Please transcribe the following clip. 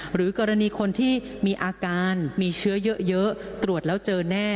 หรือกรณีคนที่มีอาการมีเชื้อเยอะตรวจแล้วเจอแน่